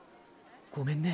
ごめんね。